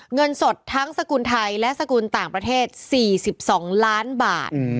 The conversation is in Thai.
เงินสดทั้งสกุลไทยและสกุลต่างประเทศ๔๒ล้านบาท